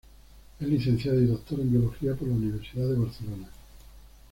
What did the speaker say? Es licenciado y doctor en biología por la Universidad de Barcelona.